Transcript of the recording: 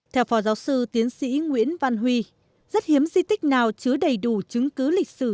theo phó giáo sư tiến sĩ nguyễn văn huy rất hiếm di tích nào chứa đầy đủ chứng cứ lịch sử